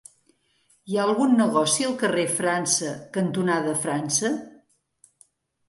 Hi ha algun negoci al carrer França cantonada França?